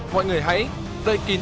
mọi người hãy đậy kín